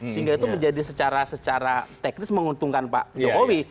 sehingga itu menjadi secara teknis menguntungkan pak jokowi